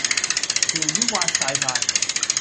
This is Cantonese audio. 條魚滑潺潺